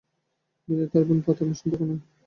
বিন্দু তার বোন, পাতানো সম্পর্ক নয়।